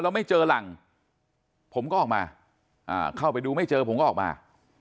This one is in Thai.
แล้วไม่เจอหลังผมก็ออกมาเข้าไปดูไม่เจอผมก็ออกมา